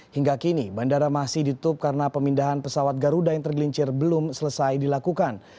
hingga kini bandara masih ditutup karena pemindahan pesawat garuda yang tergelincir belum selesai dilakukan